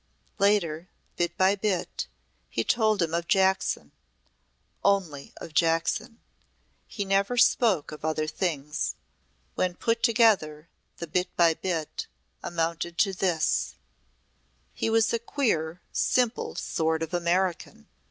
Later, bit by bit, he told him of Jackson only of Jackson. He never spoke of other things. When put together the "bit by bit" amounted to this: "He was a queer, simple sort of American.